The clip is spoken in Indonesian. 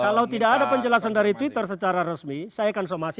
kalau tidak ada penjelasan dari twitter secara resmi saya akan somasi